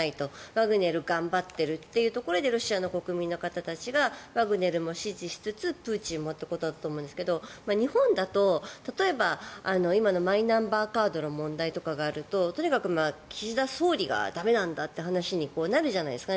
ワグネル頑張っているというところでロシアの国民の方たちがワグネルも支持しつつプーチンもということだと思いますが日本だと例えば今のマイナンバーカードの問題とかがあるととにかく岸田総理が駄目なんだという話になるじゃないですか。